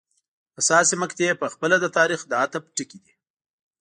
حساسې مقطعې په خپله د تاریخ د عطف ټکي دي.